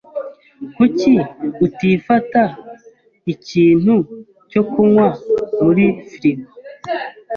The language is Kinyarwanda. Kuki utifata ikintu cyo kunywa muri frigo?